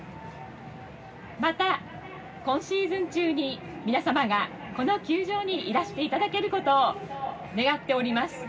また今シーズン中に皆様がこの球場にいらしていただけることを願っております。